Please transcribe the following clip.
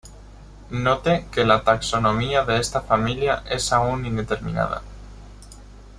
Note que la taxonomía de esta familia es aún indeterminada.